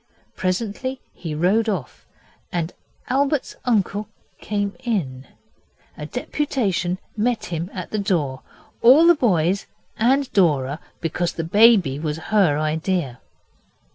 Presently he rode off, and Albert's uncle came in. A deputation met him at the door all the boys and Dora, because the baby was her idea.